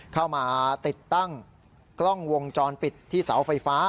เข้ามาติดตั้งกล้องวงจรปิดที่เสาไฟฟ้า